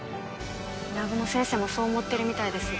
南雲先生もそう思ってるみたいです